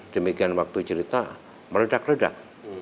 demikian waktu cerita meledak ledak